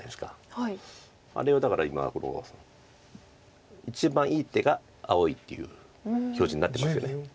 あれをだから今一番いい手が青いっていう表示になってますよね。